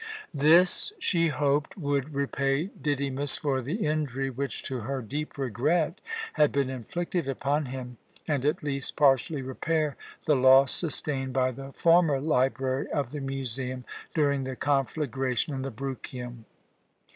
This she hoped would repay Didymus for the injury which, to her deep regret, had been inflicted upon him, and at least partially repair the loss sustained by the former library of the museum during the conflagration in the Bruchium.